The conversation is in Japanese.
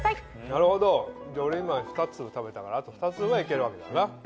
なるほど俺今２粒食べたからあと２粒はいけるわけだな。